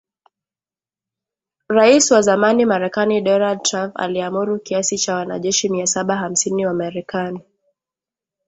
Rais wa zamani Marekani Donald Trump aliamuru kiasi cha wanajeshi mia saba hamsini wa Marekani